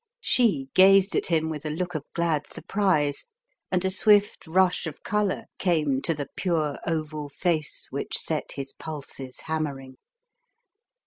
She gazed at him with a look of glad surprise, and a swift rush of colour came to the pure oval face which set his pulses hammering.